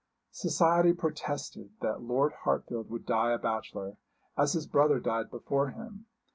Society protested that Lord Hartfield would die a bachelor, as his brother died before him.